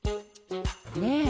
ねえ。